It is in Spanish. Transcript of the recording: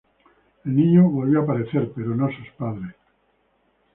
El niño volvió a aparecer, pero no sus padres.